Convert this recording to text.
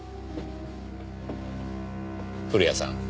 古谷さん